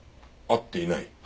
会っていない？